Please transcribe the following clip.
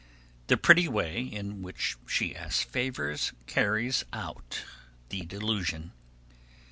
The pretty way in which she asks favours carries out the delusion.